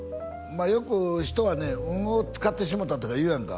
よく人はね「運を使ってしもうた」とか言うやんか